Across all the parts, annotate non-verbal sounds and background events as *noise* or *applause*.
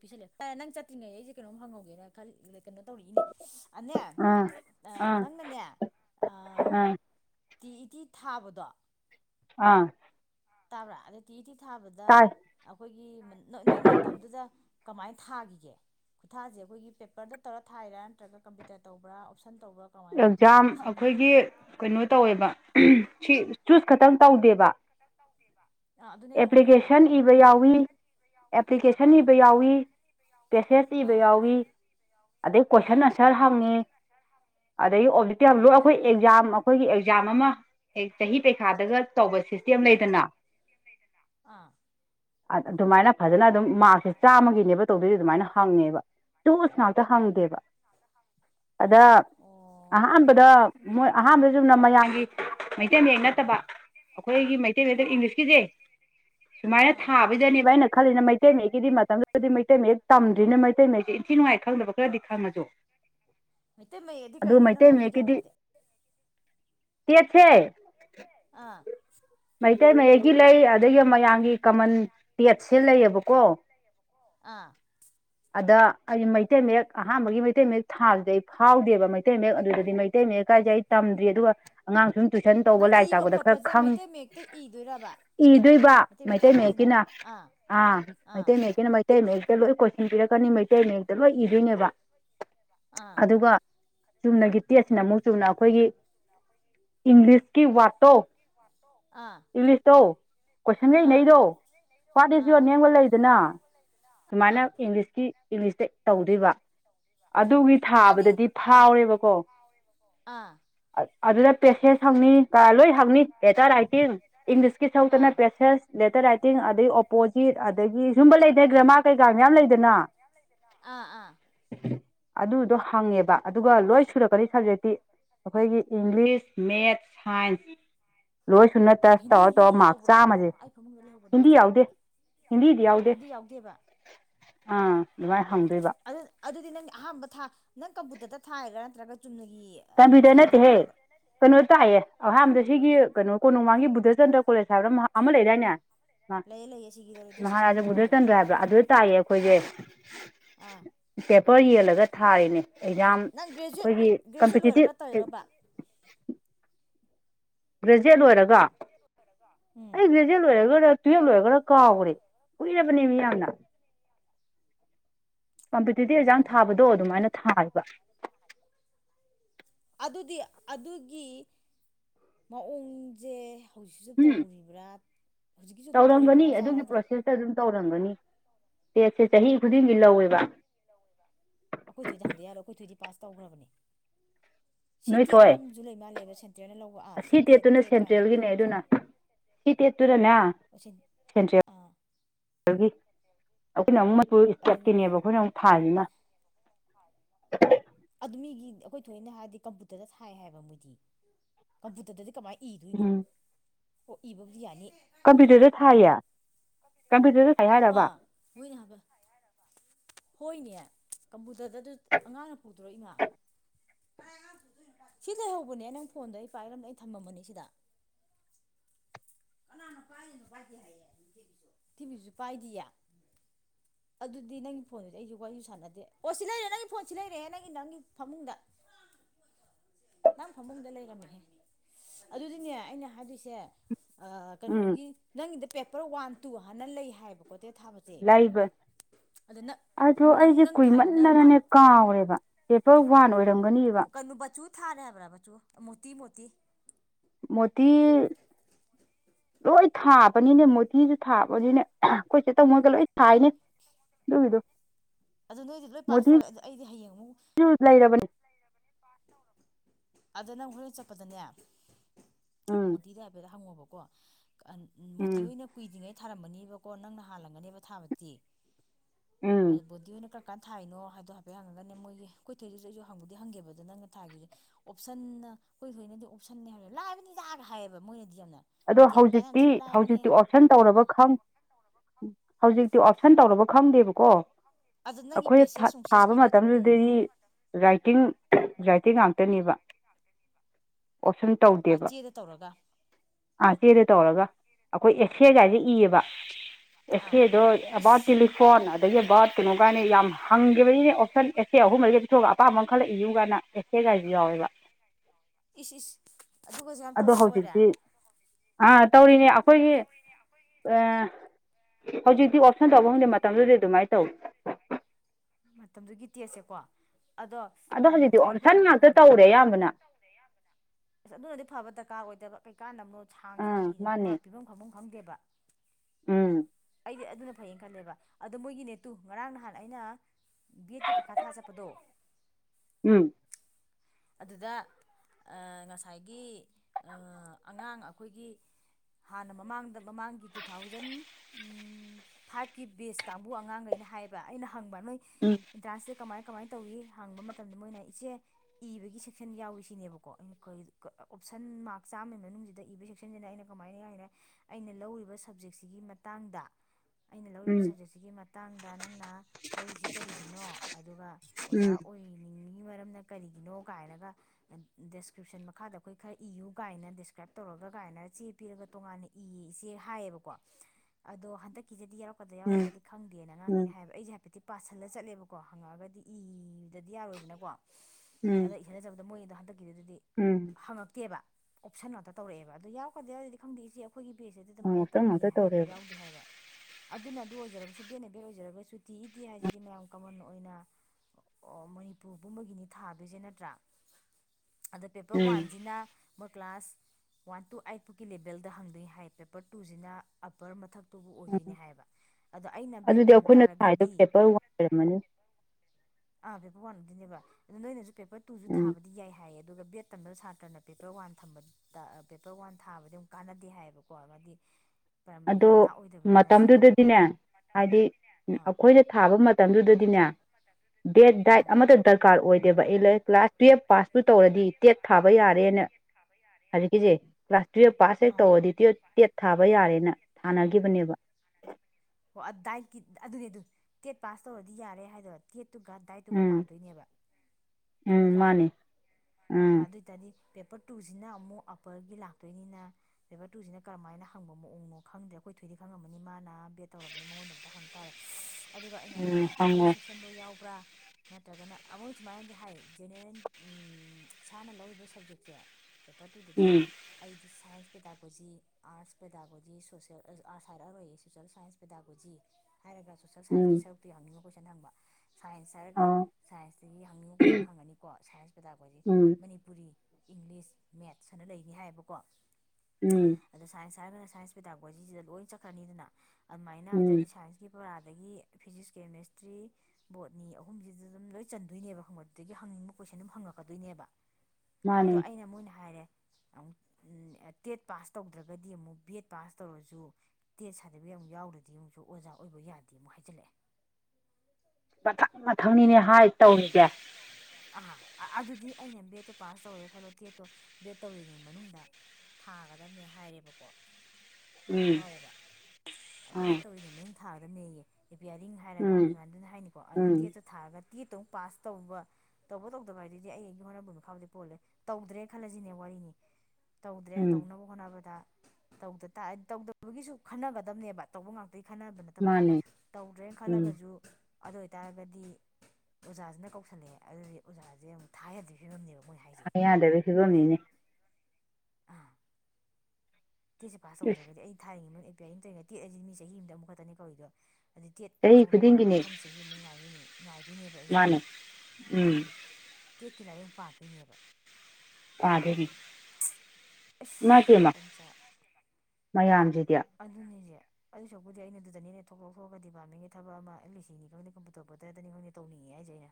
ꯄꯤꯁꯜꯂꯦ ꯑꯦ ꯅꯪ ꯆꯠꯇ꯭ꯔꯤꯉꯩ ꯑꯩꯁꯦ ꯀꯩꯅꯣꯝꯪꯍꯧꯒꯦꯅ ꯈ ꯀꯩꯅꯣ ꯇꯧꯔꯛꯏꯅꯦ ꯑꯅꯦ ꯑ ꯑꯥ ꯑꯥ ꯅꯪꯅꯅꯦ ꯑꯥ ꯑꯥ ꯇꯤ ꯏꯇꯤ ꯊꯥꯕꯗꯣ ꯑꯥ ꯇꯥꯕ꯭ꯔꯥ ꯑꯗꯨꯗꯦ ꯇꯤ ꯊꯥꯕꯗ ꯇꯥꯏ ꯑꯩꯈꯣꯏꯒꯤ ꯅꯣꯏ ꯃꯇꯝꯗꯨꯗ ꯀꯃꯥꯏꯅ ꯊꯥꯈꯤꯒꯦ ꯈꯨꯠꯊꯥꯁꯦ ꯑꯩꯈꯣꯏꯒꯤ ꯄꯦꯄꯔꯗ ꯇꯧꯔꯥ ꯊꯥꯏꯔꯥ ꯅꯠꯇ꯭ꯔꯒ ꯀꯝꯄ꯭ꯌꯨꯇꯔ ꯇꯧꯕ꯭ꯔꯥ ꯑꯣꯞꯁꯟ ꯇꯧꯕ꯭ꯔꯥ ꯀꯃꯥꯏꯅ ꯑꯦꯛꯖꯥꯝ ꯀꯣꯏꯁꯟꯒꯤ ꯑꯩꯈꯣꯏꯒꯤ ꯀꯩꯅꯣ ꯇꯧꯋꯦꯕ ꯆꯨꯁ ꯈꯛꯇꯪ ꯇꯧꯗꯦꯕ ꯑꯥ ꯑꯗꯨꯅꯦ ꯑꯩꯅ ꯍꯪꯉꯤꯁꯦ ꯑꯥ ꯑꯦꯄ꯭ꯂꯤꯀꯦꯁꯟ ꯍꯥꯏꯔꯛꯑꯣ ꯏꯕ ꯌꯥꯎꯏ ꯑꯦꯄ꯭ꯂꯤꯀꯦꯁꯟ ꯑꯥ ꯏꯕ ꯌꯥꯎꯏ ꯄꯦꯁꯦꯁ ꯏꯕ ꯑꯥ ꯌꯥꯎꯏ ꯑꯗꯩ ꯑꯥ ꯀꯣꯏꯁꯟ ꯑꯟꯁꯔ ꯍꯪꯉꯤ ꯑꯗꯒꯤ ꯑꯣꯞꯖꯦꯛꯇꯤꯞ ꯍꯥꯏ ꯀꯩꯅꯣ ꯂꯣꯏ ꯀꯣꯏꯁꯟ ꯑꯩꯈꯣꯏ ꯑꯥ ꯑꯦꯛꯖꯥꯝ ꯑꯩꯈꯣꯏꯒꯤ ꯑꯦꯛꯖꯥꯝ ꯑꯃ ꯍꯦꯛ ꯆꯍꯤ ꯄꯩꯈꯥꯗꯒ ꯇꯧꯕꯁꯤ ꯌꯥꯝ ꯂꯩꯗꯅ *unintelligible* ꯑꯥ ꯑꯗꯨꯃꯥꯏꯅ ꯐꯖꯅ ꯑꯗꯨꯝ ꯃꯥꯔꯛꯁꯦ ꯆꯥꯝꯃꯒꯤꯅꯦꯕ ꯇꯧꯗꯣꯏ ꯑꯗꯨꯃꯥꯏꯅ ꯍꯪꯉꯦꯕ ꯇꯨ *unintelligible* ꯇ ꯍꯪꯗꯦꯕ ꯑꯗ ꯑꯣ ꯑꯍꯥꯟꯕꯗ ꯃꯣꯏ ꯑꯍꯥꯟꯕꯗꯁꯨꯨꯝꯅ ꯃꯌꯥꯝꯒꯤ ꯃꯩꯇꯩꯌꯦꯛ ꯅꯠꯇꯕ ꯑꯩꯈꯣꯏꯒꯤ ꯃꯩꯇꯩ ꯃꯌꯦꯛꯇ ꯑꯥ ꯏꯪꯂꯤꯁ ꯁꯤꯁꯦ ꯁꯨꯃꯥꯏꯅ ꯑꯥ ꯊꯥꯕꯗꯖꯅꯕ ꯑꯩꯅ ꯈꯜꯂꯤꯅ ꯃꯩꯇꯩ ꯃꯌꯦꯛꯀꯤꯗꯤ ꯃꯇꯝꯗꯨꯗꯗꯤ ꯃꯩꯇꯩ ꯃꯌꯦꯛ ꯇꯝꯗꯦ ꯑꯗꯨꯅ ꯃꯩꯇꯩ ꯃꯌꯦꯛꯁꯦ ꯏꯟꯊꯤ ꯅꯨꯡꯉꯥꯏ ꯈꯪꯗꯕ ꯈꯔꯗꯤ ꯈꯪꯉꯁꯨ ꯃꯩꯇꯩ ꯃꯌꯦꯛꯗꯤ ꯑꯗꯨ ꯀꯩꯅꯣ ꯅꯪ ꯃꯩꯇꯩ ꯍꯥꯏꯖꯩ ꯒ꯭ꯌꯥꯟ ꯃꯌꯦꯛꯀꯤꯗꯤ ꯇꯥꯗꯦ ꯇ ꯦꯠ ꯁꯦ ꯑꯥ ꯃꯩꯇꯩ ꯃꯌꯦꯛ ꯂꯩ ꯑꯗꯒꯤ ꯃꯌꯥꯝꯒꯤ ꯀꯃꯟ ꯄꯦꯠꯁ ꯂꯩꯌꯦꯕꯀꯣ ꯑꯥ ꯑꯗ ꯑꯩ ꯃꯩꯇꯩ ꯃꯌꯦꯛ ꯑꯍꯥꯟꯕꯒꯤ ꯃꯩꯇꯩ ꯃꯌꯦꯛ ꯊꯥꯁꯤꯗꯤ ꯑꯩ ꯐꯥꯎꯗꯦꯕ ꯃꯩꯇꯩ ꯃꯩꯇꯩ ꯃꯌꯦꯛ ꯑꯗꯨꯗꯗꯤ ꯃꯩꯇꯩ ꯃꯌꯦꯛ ꯀꯥꯏꯁꯦ ꯑꯩ ꯇꯝꯗ꯭ꯔꯤ ꯑꯗꯨꯒ ꯑꯉꯥꯡ ꯁꯨꯝ ꯇꯨꯏꯁꯟ ꯇꯧꯕ ꯅꯪ ꯂꯥꯏꯔꯤꯛ ꯏꯕ ꯇꯥꯛꯄꯗ ꯈꯔ ꯈꯣꯠꯄꯁꯦ ꯈꯪ ꯃꯩꯇꯩ ꯃꯌꯦꯛꯇ ꯏꯗꯣꯏꯔꯕ ꯏꯗꯣꯏꯕ ꯃꯌꯦꯛ ꯃꯩꯇꯩ ꯊꯥꯕ ꯍꯥꯏꯁꯤꯅ ꯃꯌꯦꯛꯀꯤꯅ ꯑꯥ ꯑꯥ ꯑꯥ ꯃꯩꯇꯩ ꯃꯌꯦꯛꯀꯤꯅ ꯃꯩꯇꯩ ꯃꯌꯦꯛꯛꯇ ꯂꯣꯏ ꯀꯣꯏ ꯍꯟꯕꯤꯔꯛꯀꯅꯤ ꯃꯩꯇꯩ ꯃꯌꯦꯛꯇ ꯂꯣꯏ ꯏꯗꯣꯏꯅꯦꯕ ꯑꯥ ꯑꯗꯨꯒ ꯆꯨꯝꯅꯒꯤ ꯇꯦꯠꯁꯤꯅ ꯑꯃꯨꯛ ꯆꯨꯝꯅ ꯑꯩꯈꯣꯏꯒꯤ ꯏꯪꯂꯤꯁꯀꯤ ꯋꯥꯠꯇꯣ ꯋꯥꯕꯠꯇꯣ ꯏꯪꯂꯤꯁꯇꯣ ꯀꯣꯏꯁꯟ ꯑꯥ ꯂꯩꯅꯩꯗꯣ ꯋꯥꯠ ꯏꯁ ꯑꯥ ꯌꯣꯔ ꯅꯦꯝꯕ ꯂꯩꯗꯅ ꯁꯨꯃꯥꯏꯅ ꯑꯥ ꯏꯪꯂꯤꯁꯀꯤ ꯏꯪꯂꯤꯁꯇ ꯇꯧꯗꯣꯏꯕ ꯑꯗꯨꯒꯤ ꯍꯥꯏꯗꯤ ꯊꯥꯕꯗꯗꯤ ꯑꯥ ꯐꯥꯎꯔꯦꯕꯀꯣ ꯑꯥ ꯑꯗꯨꯗ ꯄꯦꯁꯦꯁ ꯍꯪꯅꯤ ꯀ ꯂꯣꯏ ꯊꯝꯅꯤꯦ ꯆ ꯔꯥꯏꯇꯤꯡ *unintelligible* ꯒꯤ ꯊꯕꯛꯗꯣ ꯑꯥ ꯅꯠꯇꯦ ꯂꯦꯇꯔ ꯔꯥꯏꯇꯤꯡ ꯑꯗꯒꯤ ꯑꯣꯄꯣꯖꯤꯠ ꯑꯗꯒꯤ ꯁꯨꯝ ꯂꯩꯗꯅ ꯒ꯭ꯔꯃꯥ ꯀꯩꯀꯥ ꯃꯌꯥꯝ ꯂꯩꯗꯅ ꯑꯥ ꯑꯥ ꯑꯗꯨꯗꯣ ꯍꯪꯉꯦꯕ ꯑꯗꯨꯒ ꯂꯣꯏ ꯁꯨꯔꯛꯀꯅꯤ ꯁꯕꯖꯦꯛꯇꯤ ꯑꯩꯈꯣꯏꯒꯤ ꯏꯪꯂꯤꯁ ꯃꯦꯠꯁ ꯁꯥꯏꯟꯁ ꯂꯣꯏ ꯁꯨꯅ ꯍꯤꯟꯗꯤ ꯇꯧꯔ ꯇꯧꯔ ꯍꯤꯟꯗꯤ ꯃꯥꯔꯛ ꯌꯥꯎꯕ꯭ꯔꯣ ꯆꯥꯝꯃꯁꯦ ꯑꯩ ꯐꯃꯨꯡꯗ ꯂꯩꯍꯧꯕꯅꯦ ꯍꯤꯟꯗꯤ ꯌꯥꯎꯗꯦ ꯍꯤꯟꯗꯤꯗꯤ ꯌꯥꯎꯗꯦ ꯑꯥ ꯑꯗꯨꯃꯥꯏꯅ ꯍꯪꯗꯣꯏꯕ ꯑ ꯑꯗꯨꯗꯤ ꯅ ꯑꯍꯥꯟꯕ ꯊꯥ ꯅꯪ ꯀꯕꯨꯇꯇ ꯊꯥꯏꯒ꯭ꯔꯥ ꯅꯠꯇ꯭ꯔꯒ ꯆꯨꯝꯅꯒꯤ ꯀꯝꯄ꯭ꯌꯨꯇꯔ ꯆꯦꯗ ꯅꯠꯇꯦꯍꯦ ꯇꯧꯔꯒ ꯀꯩꯅꯣ ꯇꯥꯛꯑꯦ ꯑꯍꯥꯟꯕꯗ ꯁꯤꯒꯤ ꯀꯩꯅꯣ ꯀꯣꯅꯨꯡꯃꯥꯡꯒꯤ ꯕꯨꯙꯆꯟꯗ꯭ꯔ ꯀꯣꯂꯦꯖ ꯍꯥꯏꯕ꯭ꯔꯥ ꯑꯃ ꯂꯩꯗꯥꯏꯅꯦ ꯂꯩꯌꯦ ꯂꯩꯌꯦ ꯁꯤꯒꯤꯗꯣ ꯔꯦꯗꯤꯑꯣ ꯏꯁꯇꯦꯁꯟꯒꯤ ꯃꯍꯥꯔꯥꯖꯥ ꯃꯅꯥꯛꯀꯤꯗꯣ ꯕꯨꯙꯆꯟꯗ꯭ꯔ ꯍꯥꯏꯕ꯭ꯔꯥ ꯑꯗꯨ ꯇꯥꯛꯌꯦ ꯑꯩꯈꯣꯏꯁꯦ ꯑꯥ ꯑꯥ ꯄꯦꯄꯔ ꯌꯦꯜꯂꯒ ꯊꯥꯔꯤꯅꯦ ꯑꯦꯛꯖꯥꯝ ꯑꯩꯈꯣꯏꯒꯤ ꯖꯌꯦꯠ ꯂꯣꯏꯔꯒ ꯀꯝꯄꯤꯇꯤꯇꯤꯞ ꯇꯧꯔꯤꯔꯣꯕ ꯒ꯭ꯔꯦꯖꯨꯑꯦꯠ ꯑꯣꯏꯔꯒ ꯎꯝ ꯑꯩ ꯒ꯭ꯔꯦꯖꯨꯑꯦꯠ ꯂꯣꯏꯔꯒ ꯇꯨꯌꯦꯜꯐ ꯂꯣꯏꯔꯒꯔꯥ ꯀꯥꯎꯒꯔꯦ ꯀꯨꯏꯔꯕꯅꯤꯃꯤ ꯌꯥꯝꯅ ꯀꯝꯄꯤꯇꯤꯇꯤꯚ ꯑꯦꯛꯖꯥꯝ ꯑꯣ ꯊꯥꯕꯗꯣ ꯑꯗꯨꯃꯥꯏꯅ ꯊꯥꯕ ꯑꯗꯨꯗꯤ ꯑꯗꯨꯒꯤ ꯃꯑꯣꯡꯖꯦ ꯍꯧꯖꯤꯛꯁꯨ ꯎꯝ ꯇꯧꯔꯤꯕ꯭ꯔꯥ ꯍꯧꯖꯤꯛꯀꯤꯁꯨ ꯑꯗꯨꯝ ꯇꯧꯔꯝꯒꯅꯤ ꯇꯧꯔꯤꯕ꯭ꯔꯥ ꯖꯥꯠꯔꯥ ꯑꯗꯨꯒꯤ ꯅꯠꯇ꯭ꯔꯒ ꯄ꯭ꯔꯣꯁꯦꯁꯇ ꯑꯗꯨꯝ ꯇꯧꯔꯝꯒꯅꯤ ꯐ *unintelligible* ꯁꯦ ꯆꯍꯤ ꯈꯨꯗꯤꯡꯒꯤ ꯂꯧꯋꯦꯕ ꯑꯩꯈꯣꯏ ꯊꯣꯏꯗ ꯍꯪꯗ ꯌꯥꯔꯣꯏ ꯑꯩꯈꯣꯏ ꯊꯣꯏꯗꯤ ꯄꯥꯁ ꯇꯧꯈ꯭ꯔꯕꯅꯤ ꯁꯤ ꯅꯣꯏ ꯇꯦꯠ ꯊꯣꯏ ꯍꯥꯝꯁꯨ ꯂꯩ ꯃꯥꯜꯂꯦꯕ ꯁꯦꯟꯇ꯭ꯔꯦꯜꯅ ꯂꯧꯕ ꯑꯥ ꯁꯤ ꯑꯁꯤ ꯇꯦꯠ ꯇꯦꯠꯇꯨꯅ ꯇꯦꯠ ꯀꯥꯏꯅ ꯁꯦꯟꯇ꯭ꯔꯦꯜꯒꯤꯅꯦ ꯁꯤꯟ ꯑꯗꯨꯅ ꯁꯤ ꯇꯦꯠꯇꯨꯅꯅꯦ ꯁꯤꯟ ꯑꯥ ꯗꯒꯤ ꯑꯩꯈꯣꯏꯅ ꯃꯨꯛ ꯃꯠ ꯑꯗꯒꯤ ꯆꯠꯀꯅꯦꯕ ꯑꯩꯈꯣꯏꯅ ꯑꯃꯨꯛ ꯊꯥꯁꯤꯅ *inaudible* ꯑꯗꯨ ꯃꯤꯒꯤ ꯑꯩꯈꯣꯏ ꯊꯣꯏꯏꯅ ꯍꯥꯏꯔꯗꯤ ꯀꯝꯄꯨꯇꯔꯗ ꯊꯥꯏ ꯍꯥꯏꯕ ꯃꯣꯏꯗꯤ ꯀꯝꯄꯨꯇꯔꯗꯗꯤ ꯀꯃꯥꯏꯅ ꯏꯗꯣꯏꯅꯣ ꯏꯕꯕꯨ ꯌꯥꯅꯤ ꯀꯝꯄꯌꯨꯇꯔꯗ ꯊꯥꯏꯌꯦ ꯀꯝꯄꯌꯨꯇꯔ ꯑ ꯃꯣꯏꯅ ꯍꯥꯏꯕ ꯍꯣꯏꯅꯦ ꯀꯝꯄꯨꯇꯔꯗ ꯑꯗꯨ ꯑꯉꯥꯡꯅ ꯄꯨꯗꯣꯔꯛꯏꯅ ꯁꯤ ꯂꯩꯍꯧꯕꯅꯦ ꯅꯪ ꯐꯣꯟꯗ ꯏ ꯄꯥꯏꯔꯗ ꯑꯩꯅ ꯊꯝꯃꯝꯕꯅꯤ ꯁꯤꯗ ꯊꯤꯕꯤꯁꯨ ꯄꯥꯏꯗꯤꯌꯦ ꯑꯗꯨꯗꯤ ꯅꯪꯒꯤ ꯐꯣꯟꯗꯨꯗꯤ ꯑꯩꯁꯨ ꯋꯥꯔꯤꯁꯨ ꯁꯥꯟꯅꯗꯦ ꯑꯣ ꯁꯤ ꯂꯩꯔꯦ ꯅꯪꯒꯤ ꯐꯣꯟ ꯁꯤ ꯂꯩꯔꯦ ꯅꯪꯒꯤ ꯅꯪꯒꯤ ꯐꯃꯨꯡꯗ ꯅꯥꯪ ꯐꯝꯨꯡꯗ ꯂꯩꯔꯝꯃꯦꯍꯦ ꯑꯗꯨꯗꯤꯅꯦ ꯑꯩꯅ ꯍꯥꯏꯗꯣꯏꯁꯦ ꯑ ꯎꯝ ꯀꯩꯅꯨꯒꯤ ꯅꯪꯒꯤꯗꯣ ꯄꯦꯄꯔ ꯋꯥꯟ ꯇꯨ ꯍꯥꯟꯅ ꯂꯩ ꯍꯥꯏꯕꯀꯣ ꯂꯩꯕ ꯅꯪ ꯑꯗꯣ ꯅꯪ ꯑꯩꯁꯦ ꯅꯪ ꯊꯥꯏꯗꯨꯅ ꯀꯨꯏꯃꯜꯂꯒꯅꯦ ꯀꯥꯎꯔꯦꯕ ꯋꯥꯟ ꯑꯣꯏ ꯀꯩꯅꯨ ꯕꯆꯨ ꯊꯥꯔꯦ ꯍꯥꯏꯕ꯭ꯔꯥ ꯕꯆꯨ ꯃꯣꯇꯤ ꯃꯣꯇꯤ ꯃꯨꯔꯇꯤ ꯂꯣꯏ ꯊꯥꯕꯅꯤꯅꯦ ꯃꯇꯤꯁꯨ ꯊꯥꯕꯅꯤꯅꯦ ꯑꯥ ꯍꯥ ꯑꯩꯈꯣꯏꯆꯦ ꯇꯃꯨ ꯍꯣꯏꯒ ꯂꯣꯏ ꯊꯥꯏꯅꯦ ꯑꯗꯨꯒꯤꯗꯣ ꯑꯗꯨ ꯅꯣꯏꯗꯤ ꯂꯣꯏ ꯄꯥꯁ ꯃꯣꯗꯤꯁꯨ ꯇꯧꯔꯦ ꯑꯗꯨ ꯑꯩꯗꯤ ꯍꯌꯦꯡ ꯑꯃꯨꯛ ꯂꯩꯔꯕꯅꯤ ꯑꯗ ꯅꯪ ꯍꯣꯔꯦꯟ ꯆꯠꯄꯗꯅꯦ ꯎꯝ ꯃꯣꯗꯤꯗ ꯍꯥꯏꯐꯦꯗ ꯍꯪꯉꯣꯕꯀꯣ ꯑꯟ ꯃꯣꯇꯤ ꯎꯝ ꯑꯣꯏꯅ ꯀꯨꯏꯗ꯭ꯔꯤꯉꯩ ꯊꯥꯔꯝꯝꯕꯅꯤ ꯀꯣ ꯅꯪꯅ ꯍꯥꯜꯂꯝꯒꯅꯦꯕ ꯊꯥꯕꯗꯤ ꯎꯝ ꯑꯗꯨ ꯕꯨꯅ--ꯀ ꯀꯥꯟ ꯊꯥꯏꯅꯣ ꯍꯥꯏꯗꯣ ꯍꯥꯏꯐꯦꯠ ꯍꯪꯉꯒꯅꯦ ꯃꯣꯏꯒꯤ ꯀꯣꯏꯊꯣꯏꯁꯤꯁꯨ ꯑꯩꯁꯨ ꯍꯪꯕꯨꯗꯤ ꯍꯪꯒꯕꯗꯣ ꯅꯪ ꯊꯥꯈꯤꯕꯁꯦ ꯑꯣꯞꯁꯟꯅ ꯑꯩꯈꯣꯏ ꯊꯣꯏꯅꯗꯤ ꯑꯣꯞꯁꯟꯅꯦ ꯍꯥꯏꯕ ꯂꯥꯏꯕꯅꯤꯗ ꯍꯥꯏꯌꯦꯕ ꯃꯣꯏꯅꯗꯤ ꯌꯥꯝ ꯑꯗꯣ ꯇꯦꯠ ꯀꯥꯏꯅ ꯍꯧꯖꯤꯛꯇꯤ ꯊꯤ ꯂꯥꯏꯕꯅꯦ ꯍꯧꯖꯤꯛꯇꯤ ꯑꯣꯞꯁꯟ ꯇꯧꯔꯕ ꯑꯥ ꯈꯪ ꯍꯧꯖꯤꯛꯇꯤ *unintelligible* ꯇꯧꯔꯕ ꯈꯪꯗꯦꯕꯀꯣ ꯑꯗꯣ ꯅꯪꯒꯤ ꯑꯩꯈꯣꯏꯅ ꯄꯦꯁꯦꯁ ꯅꯨꯡꯁꯦꯁ ꯊꯥꯕ ꯀꯥꯏꯗꯣ ꯎꯝ ꯃꯇꯝꯗꯨꯗꯗꯤ ꯔꯥꯏꯇꯤꯡ ꯔꯥꯏꯇꯤ ꯉꯥꯛꯇꯅꯦꯕ ꯑꯣꯞꯁꯟ ꯆꯦꯗ ꯇꯧꯔꯒ ꯑꯦꯛꯦꯗ ꯇꯧꯔꯒ ꯑꯩꯈꯣꯏ ꯑꯦꯛꯁꯔꯦꯒꯥꯏꯁꯦ ꯏꯌꯦꯕ ꯑꯥ ꯑꯦꯁꯦꯗꯣ ꯑꯦꯕꯥꯟ ꯏꯁ ꯇꯦꯂꯤꯐꯣꯟ ꯑꯗꯒꯤ ꯕꯥꯔꯠ ꯀꯩꯅꯣ ꯀꯥꯏꯅꯤ ꯌꯥꯝ ꯍꯪꯈꯤꯕꯒꯤꯅꯦ ꯑꯣꯞꯁꯟ ꯑꯦꯁꯦ ꯑꯍꯨꯝ ꯃꯔꯤꯗꯒꯤ ꯄꯤꯊꯣꯛꯑꯒ ꯑꯄꯥꯝꯕ ꯑꯃ ꯈꯜꯂꯛꯏꯌꯨ ꯀꯥꯏꯅ ꯑꯦꯁꯦꯒꯥꯏꯁꯨ ꯌꯥꯎꯋꯦꯕ ꯏꯁꯤ ꯏꯁꯤ ꯑꯗꯨꯒꯁꯨ ꯌꯥꯝ ꯇꯧꯁꯔꯤꯕꯣꯏꯔꯦ ꯑ ꯇꯧꯔꯤꯅꯤ ꯑꯩꯈꯣꯏꯒꯤ ꯑꯥ ꯍꯧꯖꯤꯛꯇꯤ ꯑꯣꯞꯁꯟ ꯇꯧꯕ ꯈꯪꯗꯦ ꯃꯇꯝꯗꯨꯗꯤ ꯑꯗꯨꯃꯥꯏꯅ ꯇꯧ ꯃꯇꯝꯗꯨꯒꯤ ꯇꯦꯠꯁꯦꯀꯣ ꯑꯗꯣ ꯑꯗꯣ ꯑꯩ ꯍꯧꯖꯤꯛꯇꯤ ꯑꯩꯈꯣꯏ ꯑꯣꯞꯁꯟ ꯊꯣꯏꯗ ꯉꯥꯛꯇ ꯍꯪꯅꯤꯡꯉꯦ ꯇꯧꯔꯦ ꯑꯌꯥꯝꯕꯅ ꯑꯁ ꯑꯗꯨꯅꯗꯤ ꯐꯕ ꯗꯔꯀꯥꯔ ꯑꯣꯏ ꯀꯥꯟꯝꯕꯃꯣ ꯁꯥꯡ ꯁꯥꯡ ꯑꯥ ꯏꯖꯅ ꯃꯥꯅꯦ ꯃꯔ꯭ꯥꯛ ꯄꯤꯕꯝ ꯐꯝꯕꯝ ꯗꯪꯗꯩꯕ ꯎꯝ ꯑꯩꯗꯤ ꯑꯗꯨꯅ ꯐꯩꯌꯦꯅ ꯈꯜꯂꯦꯕ ꯑꯗꯣ ꯃꯣꯏꯒꯤꯅꯦ ꯇꯨ ꯉꯔꯥꯡ ꯅꯍꯥꯟ ꯑꯩꯅ ꯕꯤ ꯑꯦꯠꯀꯤ ꯄꯩꯈꯥ ꯊꯥꯕ ꯆꯠꯄꯗꯣ ꯎꯝ ꯑꯗꯨꯗ ꯉꯁꯥꯏꯒꯤ ꯑꯉꯥꯡ ꯑꯩꯈꯣꯏꯒꯤ ꯍꯥꯟꯅ ꯃꯃꯥꯡꯗ ꯃꯃꯥꯡꯒꯤ ꯇꯨ ꯊꯥꯎꯖꯟ ꯐꯥꯏꯚꯀꯤ ꯕꯦꯁ ꯀꯥꯡꯕꯨ ꯑꯉꯥꯡꯈꯩꯅ ꯍꯥꯏꯕ ꯑꯩꯅ ꯐꯪꯕ ꯅꯣꯏ ꯎꯝ ꯏꯗꯥ꯭ꯔꯁꯦ ꯀꯃꯥꯏ ꯀꯃꯥꯏꯅ ꯇꯧꯏ ꯍꯥꯡꯕ ꯃꯇꯝꯗ ꯃꯣꯏꯅ ꯏꯆꯦ ꯏꯕꯒꯤ ꯁꯦꯛꯁꯟ ꯌꯥꯎꯏꯁꯤꯅꯦꯕꯀꯣ ꯑꯣꯞꯁꯟ ꯃꯥꯔꯛ ꯆꯥꯝꯃꯒꯤ ꯃꯅꯨꯡꯁꯤꯗ ꯏꯕꯒꯤ ꯁꯦꯛꯁꯟꯁꯤꯅ ꯑꯩꯅ ꯀꯃꯥꯏꯅ ꯌꯥꯔꯤꯅꯦ ꯑꯩꯅ ꯂꯧꯔꯤꯕ ꯁꯕꯖꯦꯛꯁꯤꯒꯤ ꯃꯇꯥꯡꯗ ꯑꯩꯅ ꯂꯧꯔꯤꯕ ꯎꯝ ꯁꯕꯖꯦꯛꯁꯤꯒꯤ ꯃꯇꯥꯡꯗ ꯅꯪꯅ ꯂꯧꯔꯤꯁꯤ ꯀꯔꯤꯒꯤꯅꯣ ꯑꯗꯨꯒ ꯑꯣꯖꯥ ꯑꯣꯏꯅꯤꯡꯉꯤ *unintelligible* ꯀꯔꯤꯒꯤꯅꯣ ꯀꯥꯏꯅꯒ ꯗꯦꯁꯀ꯭ꯔꯤꯞꯁꯟ ꯃꯈꯥꯗ ꯑꯩꯈꯣꯏ ꯈꯔ ꯏꯌꯨ ꯀꯥꯏꯅ ꯗꯦꯁꯀ꯭ꯔꯥꯏꯞ ꯇꯧꯔꯒ ꯀꯥꯏꯅꯒ ꯆꯦ ꯄꯤꯔꯒ ꯇꯣꯉꯥꯟꯅ ꯏꯌꯦ ꯏꯆꯦ ꯍꯥꯏꯌꯦꯕꯀꯣ ꯑꯗꯣ ꯍꯟꯗꯛꯀꯤꯁꯤꯗꯤ ꯌꯥꯎꯔ ꯆꯄꯗ ꯎꯝ ꯎꯝ ꯌꯥꯎꯔꯣꯏꯗꯗꯤ ꯈꯪꯗꯦꯅ ꯎꯝ ꯉꯥꯡꯗꯣꯏꯅꯦ ꯍꯥꯏꯕ ꯑꯩꯁꯦ ꯍꯥꯏꯐꯦꯤ ꯄꯥꯁꯜꯂ ꯆꯠꯂꯦꯕꯀꯣ ꯍꯪꯉꯛꯑꯒꯗꯤ ꯏ ꯁꯤ ꯗꯗꯤ ꯌꯥꯔꯣꯏꯗꯅꯀꯣ ꯎꯝ ꯎꯝ *inaudible* ꯃꯣꯏꯗꯍꯗꯛ ꯒꯤꯗꯨ ꯑꯗꯨꯗꯤ ꯎꯝ ꯍꯪꯉꯛꯇꯦꯕ ꯑꯣꯞꯁꯟ ꯉꯥꯛꯇꯥ ꯇꯧꯔꯛꯑꯦꯕ ꯑꯗꯨ ꯌꯥꯎꯔꯛꯀꯗ꯭ꯕꯥ ꯌꯥꯎꯔꯛꯑꯣꯏꯗ꯭ꯔꯥꯗꯤ ꯈꯪꯗꯦ ꯏꯆꯦ ꯑꯩꯈꯣꯏꯒꯤ ꯕꯦꯖꯁꯤꯦꯗꯤ ꯑꯗꯨꯃꯥꯏꯅ ꯑꯣꯞꯁꯟ ꯉꯥꯛꯇ ꯇꯧꯈꯤꯅ ꯍꯥꯏꯕ ꯇꯧꯔꯦꯕ ꯌꯥꯎꯗꯦ ꯍꯥꯏꯕ ꯑꯗꯨꯅ ꯑꯗꯨ ꯑꯣꯏꯖꯔꯒꯁꯨ ꯕꯦꯅ ꯕꯦꯠ ꯑꯣꯏꯖꯔꯒꯁꯨꯨ ꯇꯤ ꯏ ꯇꯤ ꯍꯥꯏꯁꯤꯗꯤ ꯃꯌꯥꯝ ꯀꯃꯟ ꯑꯣꯏꯅ ꯃꯅꯤꯄꯨꯔ ꯄꯨꯝꯕꯒꯤꯅꯤ ꯊꯥꯗꯣꯏꯁꯦ ꯅꯠꯇ꯭ꯔꯥ ꯑꯗ ꯄꯦꯄꯔ ꯎꯝ ꯋꯥꯟꯁꯤꯅ ꯃꯣꯏ ꯀ꯭ꯂꯥꯁ ꯋꯥꯟ ꯇꯨ ꯑꯥꯏꯠ ꯐꯥꯎꯀꯤ ꯂꯦꯚꯦꯜꯗ ꯍꯪꯗꯣꯏꯅꯤ ꯍꯥꯏ ꯄꯦꯄꯔ ꯇꯨꯁꯤꯅ ꯑꯞꯄꯔ ꯃꯊꯛ ꯇꯨꯕꯨ ꯑꯣꯏꯗꯣꯏꯅꯦ ꯎꯝ ꯍꯥꯏꯕ ꯑꯗꯣ ꯑꯩꯅ ꯕꯦꯠ ꯑꯗꯨꯗꯤ ꯇꯝ ꯑꯩꯈꯣꯏꯅ ꯊꯥꯏꯗꯣ ꯇꯥꯔꯒꯗꯤ ꯄꯦꯄꯔ ꯋꯥꯟ ꯑꯣꯏꯔꯝꯃꯅꯤ ꯑꯥ ꯄꯦꯄ ꯋꯥꯟꯗꯨꯣꯏꯅꯦꯕ ꯑꯗꯨꯣ ꯅꯣꯏꯅꯁꯨ ꯄꯦꯄꯔ ꯇꯨꯁꯨ ꯎꯝ ꯊꯥꯕꯗꯤ ꯌꯥꯏ ꯍꯥꯏꯌꯦ ꯑꯗꯨꯒ ꯕꯦꯠ ꯇꯝꯕꯗ ꯁꯥꯇ꯭ꯔꯅ ꯄꯦꯄꯔ ꯋꯥꯟ ꯊꯝꯕꯗ ꯄꯦꯄꯔ ꯋꯥꯟ ꯊꯥꯕꯗꯤ ꯑꯃꯛ ꯀꯥꯟꯅꯗꯦ ꯍꯥꯏꯌꯦꯕꯀꯣ ꯑꯃꯗꯤ ꯑꯗꯣ ꯃꯇꯝꯗꯨꯗꯗꯤꯅꯦ ꯍꯥꯏꯗꯤ ꯃꯇꯝꯗꯨꯗꯗꯤꯅꯦ ꯑꯥ ꯑꯩꯈꯣꯏꯅ ꯊꯥꯕ ꯃꯇꯝꯗꯨꯗꯗꯤꯅꯦ ꯗꯦꯠ ꯑꯥ ꯗꯥꯏꯠ ꯑꯃꯇ ꯗꯔꯀꯥꯔ ꯑꯣꯏꯗꯦꯕ ꯀ꯭ꯂꯥꯁ ꯇꯨꯌꯦꯜꯞ ꯄꯥꯁ ꯇꯧ ꯇꯧꯔꯗꯤ ꯇꯦꯠ ꯊꯥꯕ ꯌꯥꯔꯦꯅ ꯍꯧꯖꯤꯛꯀꯤꯁꯦ ꯇꯨꯌꯦꯜꯞ ꯄꯥꯁ ꯍꯦꯛ ꯑꯥ ꯇꯧꯔꯗꯤ ꯇꯨꯌꯦꯜꯞ ꯇꯦꯠ ꯊꯥꯕ ꯌꯥꯔꯦꯅ ꯊꯥꯅꯈꯤꯕꯅꯦꯕ ꯑꯣ ꯗꯥꯏ ꯑꯗꯨꯅꯦ ꯑꯗꯨꯅꯤ ꯑꯗꯨ ꯇꯦꯠ ꯄꯥꯁ ꯇꯧꯔꯗꯤ ꯌꯥꯔꯦ ꯍꯥꯏꯗꯔ ꯇꯦꯠ ꯇꯨꯒ ꯗꯥꯏꯠꯇꯨꯒ ꯎꯝ ꯄꯥꯗꯣꯏꯅꯦꯕ ꯎꯝ ꯆꯨꯝꯃꯗ꯭ꯔꯥ ꯃꯥꯅꯦ ꯎꯝ ꯑꯗꯨꯗꯅꯤ ꯄꯦꯄꯔ ꯇꯨꯁꯤꯅ ꯑꯃꯨꯛ ꯑꯞꯄꯔꯒꯤ ꯂꯥꯛꯇꯣꯏꯅꯤꯅ ꯄꯦꯄꯔ ꯇꯨꯁꯤꯅꯩꯩ ꯀꯔꯝꯥꯏꯅ ꯍꯪꯕ ꯃꯑꯣꯡꯅꯣ ꯈꯪꯗ꯭ꯔꯦ ꯑꯩꯈꯣꯏ ꯊꯣꯏꯗꯤ ꯈꯪꯉꯝꯃꯅꯤ ꯃꯥꯅ ꯕꯦꯠ ꯇꯧꯔꯕꯅꯤ ꯃꯉꯣꯟꯗ ꯑꯝꯇ ꯍꯪꯇꯥꯥꯔꯦ ꯑꯗꯨꯒ ꯑꯩꯅ ꯎꯝ ꯏꯕꯒꯤ ꯍꯪꯉꯣ ꯁꯦꯛꯁꯟꯗꯣ ꯌꯥꯎꯕ꯭ꯔꯥ ꯅꯠꯇ꯭ꯔꯒꯅ ꯃꯣꯏ ꯁꯨꯃꯥꯏꯅꯗꯤ ꯍꯥꯏ ꯖꯦꯅꯦꯔꯦꯜ ꯎꯝ ꯏꯁꯥꯅ ꯂꯧꯔꯤꯕ ꯁꯕꯖꯦꯛꯁꯦ ꯄꯦꯄꯔ ꯇꯨꯗꯗꯤ ꯎꯝ ꯑꯩꯗꯤ ꯁꯥꯏꯟꯁ ꯄꯦꯗꯥꯄꯣꯖꯤ ꯑꯥꯠꯁ ꯄꯦꯗꯥꯄꯣꯖꯤ ꯁꯣꯁꯦꯜ ꯑꯥꯠꯁ ꯍꯥꯏꯔꯛꯑꯔꯣꯏꯌꯦ ꯁꯣꯁꯦꯜ ꯁꯥꯏꯟꯁ ꯗꯥꯕꯨꯨꯖꯤ ꯍꯥꯏꯔꯒꯁꯨ ꯁꯦꯜ ꯁꯥꯏꯟꯇꯀꯤ ꯎꯝ ꯁꯔꯛꯇꯛ ꯌꯥꯎꯅꯤꯡꯉꯕ *unintelligible* ꯁꯥꯏꯟꯁ ꯍꯥꯏꯔꯒ ꯑꯣ ꯁꯥꯏꯟꯁꯇꯄꯒꯤ ꯍꯪꯅꯤꯡꯕ ꯀꯣꯏꯁꯟ ꯍꯪꯉꯅꯤꯀꯣ ꯁꯥꯏꯟꯁꯄꯗ ꯄꯦꯗꯒꯣꯒꯤ ꯎꯝ ꯃꯅꯤꯄꯨꯔꯤ ꯏꯪꯂꯤꯁ ꯃꯦꯠꯁ ꯍꯥꯏꯅ ꯂꯩꯅꯤ ꯍꯥꯏꯌꯦꯕꯀꯣ ꯎꯝ ꯁꯥꯏꯅꯅ ꯁꯥꯏꯟꯁꯄꯤꯗ ꯀꯣꯖꯤꯁꯤꯗ ꯂꯣꯏ ꯆꯠꯈ꯭ꯔꯅꯤꯗꯅ ꯑꯗꯨꯃꯥꯏꯅ ꯎꯝ ꯍꯥꯏꯇꯥꯔꯗꯤ ꯁꯥꯏꯟꯁꯀꯤ ꯕꯣꯔꯥꯗꯒꯤ ꯐꯤꯖꯤꯛꯁ ꯀꯦꯃꯦꯁꯇ꯭ꯔꯤ ꯕꯣꯠꯅꯤ ꯑꯍꯨꯝꯁꯤꯗ ꯑꯗꯨꯝ ꯂꯣꯏ ꯆꯟꯗꯣꯏꯅꯦꯕꯪ ꯑꯗꯨꯗꯒꯤ ꯍꯪꯅꯤꯡꯕ ꯀꯣꯏꯁꯟ ꯑꯗꯨꯝ ꯍꯪꯉꯛꯀꯗꯣꯏꯅꯦꯕ ꯃꯥꯅꯦ ꯑꯗꯣ ꯑꯩꯅ ꯃꯣꯏꯅ ꯍꯥꯏꯔꯦ ꯨ ꯇꯦꯠ ꯄꯥꯁ ꯇꯧꯗ꯭ꯔꯒꯗꯤ ꯑꯃꯨꯛ ꯕꯤ ꯑꯦꯠ ꯄꯥꯁ ꯇꯧꯔꯁꯨ ꯇꯦꯠ ꯁꯔꯇꯤꯐꯤꯀꯦꯠ ꯑꯃꯨꯛ ꯌꯥꯎꯗ꯭ꯔꯗꯤ ꯑꯃꯨꯛꯁꯨ ꯑꯣꯖꯥ ꯑꯣꯏꯕ ꯌꯥꯗꯦ ꯑꯃꯨꯛ ꯍꯥꯏꯖꯤꯜꯂꯛꯑꯦ ꯃꯊꯪ ꯃꯊꯪꯅꯤꯅꯦ ꯍꯥꯏ ꯇꯧꯔꯤꯁꯦ ꯑ ꯑꯗꯨꯗꯤ ꯑꯩꯅ ꯕꯤꯑꯦꯠꯇꯣ ꯄꯥꯁ ꯇꯧꯔꯦ ꯈꯜꯂꯣ ꯇꯦꯠꯇꯣ ꯕꯤ ꯑꯦꯠ ꯇꯧꯔꯤꯉꯩ ꯃꯅꯨꯡꯗ ꯊꯥꯒꯗꯕꯅꯦ ꯍꯥꯏꯔꯦꯕꯀꯣ ꯎꯝ ꯇꯥꯎꯑꯣꯕ ꯑꯥ ꯑꯞꯗꯦꯠ ꯇꯧꯔꯤꯉꯩ ꯃꯅꯨꯡꯗ ꯊꯥꯒꯗꯝꯅꯦ ꯌꯦ ꯑꯦꯄꯤꯌꯔꯔꯤꯡ ꯍꯥꯏꯔꯒ ꯎꯝ ꯏꯃꯥꯟꯕꯗꯨꯅ ꯍꯥꯏꯅꯤꯀꯣ ꯑꯗꯣ ꯎꯝ ꯇꯦꯠꯇꯣ ꯊꯥꯔꯒ ꯇꯦꯠꯇꯣ ꯑꯃꯨꯛ ꯄꯥꯁ ꯇꯧꯕ ꯇꯧꯕ ꯇꯧꯗꯕ ꯍꯥꯏꯗꯨꯗꯤ ꯑꯩꯒꯤ ꯑꯩꯒꯤ ꯋꯥꯔꯛꯞꯒꯤ ꯃꯈꯥꯕꯨꯗꯤ ꯄꯣꯜꯂꯦ ꯇꯧꯗ꯭ꯔꯦ ꯈꯜꯂꯁꯤꯅꯦ ꯋꯥꯔꯤꯅꯤ ꯇꯧꯗ꯭ꯔꯦ ꯎꯝ ꯇꯧꯅꯕ ꯍꯣꯠꯅꯕꯗ ꯇꯧꯗ ꯇ ꯇꯧꯗꯕꯒꯤꯁꯨ ꯈꯟꯅꯒꯗꯕꯅꯦꯕ ꯇꯧꯕ ꯉꯥꯛ ꯈꯟꯅꯕ ꯅꯠꯇꯕ ꯃꯥꯅꯦ ꯇꯧꯗ꯭ꯔꯦꯅ ꯎꯝ ꯈꯜꯂꯒꯁꯨ ꯑꯗꯨ ꯑꯣꯏꯇꯥꯔꯒꯗꯤ ꯑꯣꯖꯥꯁꯤꯅ ꯀꯧꯁꯜꯂꯛꯑꯦ ꯑꯗꯨꯗꯤ ꯑꯣꯖꯥꯁꯦ ꯑꯃꯨꯛ ꯊꯥꯌꯥꯗꯕꯒꯤ ꯐꯤꯕꯝꯅꯦꯕ ꯃꯣꯏ ꯍꯥꯏꯁꯦ ꯊꯥꯌꯥꯗꯕꯒꯤ ꯐꯤꯚꯝꯅꯤꯅꯦ ꯑꯥ ꯇꯦꯠꯁꯦ ꯄꯥꯁ ꯏꯁ ꯇꯧꯗ꯭ꯔꯒꯗꯤ ꯑꯩ ꯊꯥꯔꯤꯉꯩ ꯇꯤ ꯏ ꯇꯤ ꯍꯥꯏꯁꯤꯗꯤ ꯆꯍꯤ ꯑꯃꯗ ꯑꯃꯨꯛꯈꯛꯇꯅꯤ ꯀꯧꯔꯤꯗꯣ ꯗꯩ ꯇꯦꯠ ꯄꯥꯁ ꯆꯍꯤ ꯇꯧꯅꯕ ꯍꯣꯠꯅꯕꯗ ꯈꯨꯗꯤꯡꯒꯤꯅꯦ ꯃꯊꯪ ꯆꯍꯤ ꯑꯃꯨꯛ ꯉꯥꯏꯗꯣꯏꯅꯦ ꯉꯥꯏꯗꯣꯏꯅꯦꯕ ꯑꯩꯁꯦ ꯃꯥꯅꯦ ꯎꯝ ꯇꯦꯠꯀꯤ ꯂꯥꯏꯔꯤꯛ ꯑꯃꯨꯛ ꯄꯥꯟꯗꯣꯏꯅꯦꯕ ꯄꯥꯗꯣꯏꯅꯤ ꯑꯁ ꯏꯃꯥꯏ ꯄꯦꯃ ꯄꯟꯆꯥ ꯃꯌꯥꯝꯁꯤꯗꯤ ꯑꯗꯨꯅꯤꯁꯦ ꯑꯗꯨ ꯁꯔꯨꯛꯄꯨꯗꯤ ꯑꯩꯅ ꯑꯗꯨꯗꯅꯤꯅꯦ ꯊꯣꯛ ꯇꯣꯛꯊꯣꯛꯑꯒ ꯗꯤꯄꯥꯔꯠꯃꯦꯟꯒꯤ ꯊꯕꯛ ꯑꯃ ꯑꯦꯝ ꯄꯤ ꯁꯤꯅꯤ ꯈꯪꯗꯦ ꯀꯝꯄꯨꯇꯔ ꯄ꯭ꯔꯦꯇꯔꯅꯤ ꯈꯪꯗꯦ ꯇꯧꯅꯤꯡꯉꯦ ꯍꯥꯏꯁꯦ ꯑꯩꯅ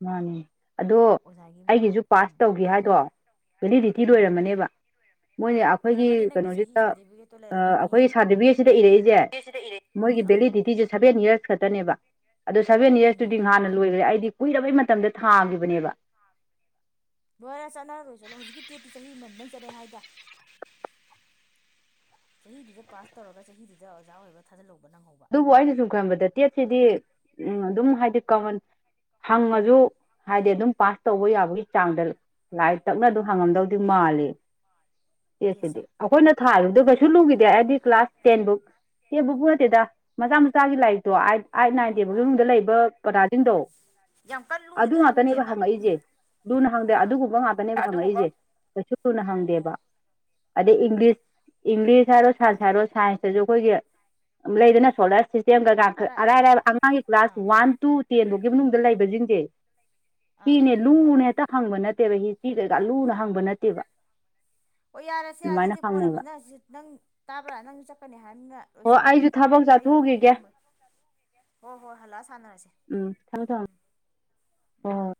ꯃꯥꯅꯤ ꯑꯗꯣ ꯑꯣꯖꯥꯒꯤ ꯑꯃ ꯑꯩꯒꯤꯁꯨ ꯄꯥꯁ ꯎꯝ ꯇꯧꯈꯤ ꯍꯥꯏꯗꯣ ꯚꯦꯂꯤꯗꯤꯇꯤ ꯎꯝ ꯂꯣꯏꯔꯝꯃꯅꯦꯕ ꯃꯣꯏꯅ ꯑꯩꯈꯣꯏꯒꯤ ꯂꯣꯏꯔꯝꯒꯅꯤ ꯅꯪꯒꯤ ꯆꯍꯤ ꯀꯩꯅꯣꯁꯤꯗ ꯁꯥꯔꯇꯤꯐꯤꯀꯦꯠꯇꯣ ꯂꯩꯔꯝꯒꯅꯤ ꯑꯩꯈꯣꯏꯒꯤ ꯁꯥꯔꯇꯤꯐꯤꯀꯦꯠꯁꯤꯗ ꯏꯔꯛꯏꯁꯦ ꯃꯣꯏꯒꯤ ꯑꯥ ꯚꯦꯂꯤꯗꯤꯇꯤꯁꯦ ꯁꯚꯦꯟ ꯏꯌꯔꯁ ꯈꯛ ꯇꯥꯅꯦꯕ ꯑꯗꯣ ꯁꯚꯦꯟ ꯎꯝ ꯌꯔꯁꯇꯨꯗꯤ ꯅꯍꯥꯟꯅ ꯂꯣꯏꯈ꯭ꯔꯦ ꯑꯩꯗꯤ ꯀꯨꯏꯔꯕꯩ ꯃꯇꯝꯗ ꯊꯥꯈꯤꯕꯅꯦꯕ ꯂꯣꯏꯔꯥ ꯆꯠꯅꯔꯔꯣꯏ ꯆꯠꯂꯣ ꯍꯧꯖꯤꯛꯀꯤ ꯇꯦꯠꯇꯤ ꯆꯍꯤ ꯑꯃꯃꯝꯇꯪ ꯆꯠꯂꯦ ꯍꯥꯏꯗ ꯆꯍꯤꯗꯨꯗ ꯄꯥꯁ ꯇꯧꯔꯒ ꯆꯍꯤꯗꯨꯗ ꯑꯣꯖꯥ ꯑꯣꯏꯕ ꯊꯥꯖꯤꯜꯍꯧꯕ ꯅꯪꯍꯧꯕ ꯑꯗꯨꯕꯨ ꯑꯩꯅ ꯁꯨꯝ ꯈꯟꯕꯗ ꯇꯦꯠꯁꯤꯗꯤ ꯎꯝ ꯑꯗꯨꯝ ꯍꯥꯏꯗꯤ ꯀꯃꯟ ꯍꯪꯉꯁꯨ ꯍꯥꯏꯗꯤ ꯑꯗꯨꯝ ꯄꯥꯁ ꯇꯧꯕ ꯌꯥꯕꯒꯤ ꯆꯥꯡꯗ ꯂꯥꯏ ꯇꯛꯅ ꯑꯗꯨꯝ ꯍꯪꯉꯝꯗꯧꯗꯤ ꯃꯥꯜꯂꯤ ꯑꯦ ꯇꯦꯠꯁꯦ ꯁꯤꯗꯤ ꯑꯩꯈꯣꯏꯅ ꯊꯥꯔꯨꯕꯗꯨ ꯀꯩꯁꯨ ꯂꯨꯈꯤꯗꯦ ꯑꯩꯗꯤ ꯀ꯭ꯂꯥꯁ ꯇꯦꯟꯕꯨꯛ ꯇꯦꯟꯕꯨꯛꯄꯨ ꯅꯠꯇꯦꯗ ꯃꯆꯥ ꯃꯆꯥꯒꯤ ꯂꯥꯏꯔꯤꯛꯇꯣ ꯑꯥꯏꯠ ꯅꯥꯏꯟ ꯇꯦꯟ ꯐꯥꯎꯒꯤ ꯑꯥ ꯃꯅꯨꯡꯗ ꯂꯩꯕ ꯄꯔꯥ ꯏꯟꯗꯣ ꯌꯥꯝ ꯀꯟꯅ ꯑꯗꯨ ꯂꯨꯅꯗꯤ ꯉꯥꯛꯇꯅꯦꯕ ꯍꯪꯗꯦꯕ ꯍꯪꯉꯛꯏꯁꯦ ꯂꯨꯅ ꯍꯪꯗꯦ ꯑꯥ ꯑꯗꯨꯒꯨꯝꯕ ꯉꯥꯛꯇꯅꯦꯕ ꯍꯪꯉꯛꯏꯁꯦ ꯀꯩꯁꯨ ꯂꯨꯅ ꯍꯪꯗꯦꯕ ꯑꯣ ꯑꯗꯩ ꯏꯪꯂꯤꯁ ꯏꯪꯂꯤꯁ ꯍꯥꯏꯔꯣ ꯁꯥꯏꯟꯁ ꯎꯝ ꯍꯥꯏꯔꯣ ꯁꯥꯏꯟꯁꯇꯁꯨ ꯑꯩꯈꯣꯏꯒꯤ ꯂꯩꯗꯅ ꯐꯣꯟ ꯂꯥꯛꯑꯦ ꯁꯤꯁꯇꯦꯝ ꯗꯒꯁꯨ ꯑꯔꯥꯏ ꯑꯔꯥꯏꯕ ꯑꯉꯥꯡꯒꯤ ꯑꯥ ꯀ꯭ꯂꯥꯁ ꯋꯥꯟ ꯇꯨ ꯇꯦꯟꯕꯨꯛꯒꯤ ꯃꯅꯨꯡꯗ ꯂꯩꯕꯁꯤꯡꯁꯦ ꯑꯥ ꯄꯤꯅꯦ ꯂꯨꯅ ꯍꯦꯠꯇ ꯍꯪꯕ ꯅꯠꯇꯦꯕ ꯍꯤꯁꯇ꯭ꯔꯤꯗꯒ ꯂꯨꯅ ꯍꯪꯕ ꯅꯠꯇꯦꯕ ꯑꯣ ꯌꯥꯔꯦꯁꯦ ꯑꯗꯨꯃꯥꯏꯅ ꯑꯗꯨꯗꯤ ꯀꯣꯟꯅ ꯍꯪꯅꯩꯕ ꯈꯟꯅꯔꯁꯤ ꯅꯪ ꯇꯥꯕ꯭ꯔꯥ ꯅꯪ ꯆꯠꯀꯅꯤ ꯍꯥꯏꯕꯅꯤꯅ ꯍꯣ ꯂꯣꯏꯁꯜꯂꯣ ꯑꯩꯁꯨ ꯊꯕꯛ ꯑꯩ ꯆꯠꯊꯣꯛꯎꯈꯤꯒꯦ ꯊꯝꯃ ꯍꯣꯏ ꯍꯣꯏ ꯍꯜꯂꯛꯑ ꯁꯥꯟ ꯍꯥ ꯎꯝ ꯊꯝꯃꯦ ꯊꯝ ꯎꯝ *unintelligible*